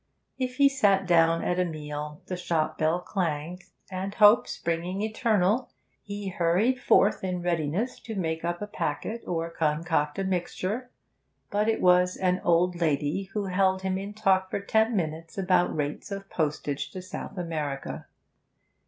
If he sat down at a meal the shop bell clanged, and hope springing eternal, he hurried forth in readiness to make up a packet or concoct a mixture; but it was an old lady who held him in talk for ten minutes about rates of postage to South America.